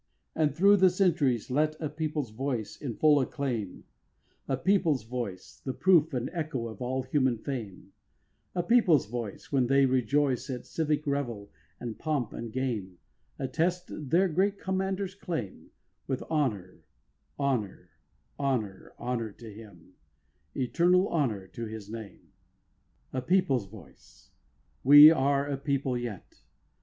And thro' the centuries let a people's voice In full acclaim, A people's voice, The proof and echo of all human fame, A people's voice, when they rejoice At civic revel and pomp and game, Attest their great commander's claim With honour, honour, honour, honour to him, Eternal honour to his name. 7. A people's voice! we are a people yet.